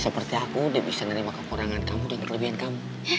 seperti aku dia bisa menerima kekurangan kamu dan kelebihan kamu